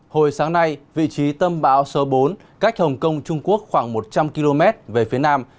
hồi sáng nay vị trí tâm bão số bốn cách hồng kông trung quốc khoảng một trăm linh km về phía nam